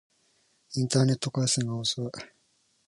インターネット回線が遅い